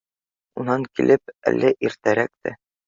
— Унан килеп, әле иртәрәк тә